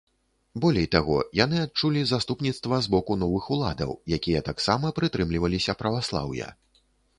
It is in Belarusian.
Болей таго, яны адчулі заступніцтва з боку новых уладаў, якія таксама прытрымліваліся праваслаўя.